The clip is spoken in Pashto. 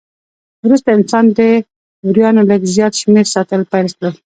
وروسته انسان د وریانو لږ زیات شمېر ساتل پیل کړل.